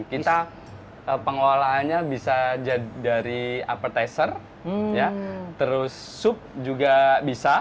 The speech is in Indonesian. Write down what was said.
kita pengelolaannya bisa dari appetizer terus sup juga bisa